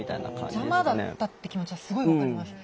邪魔だったって気持ちはすごい分かります。